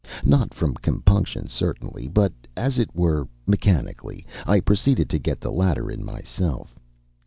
Not from compunction certainly, but, as it were mechanically, I proceeded to get the ladder in myself.